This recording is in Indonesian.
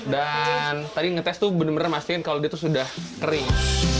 dan tadi ngetes tuh benar benar memastikan kalau dia tuh sudah kering